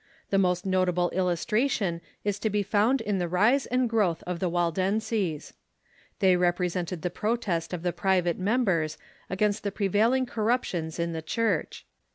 The most nota Reaction of ble illustration is to be found in the rise and growth ^^'" of the Waldenses. They represented the protest of the private members against the prevailing corruptions in the Church.